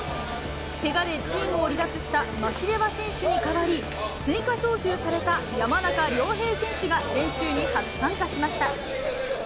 けがでチームを離脱したマシレワ選手に代わり、追加招集された山中亮平選手が練習に初参加しました。